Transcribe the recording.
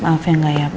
maaf ya enggak ya